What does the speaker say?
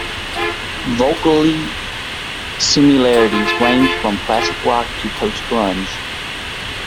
Vocally similarities range from classic rock to post-grunge.